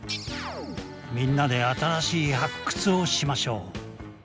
みんなで新しい発掘をしましょう。